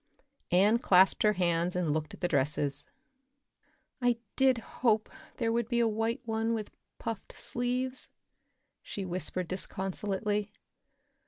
Anne clasped her hands and looked at the dresses. "I did hope there would be a white one with puffed sleeves," she whispered disconsolately.